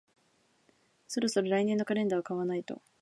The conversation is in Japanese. そろそろ来年のカレンダーを買わないと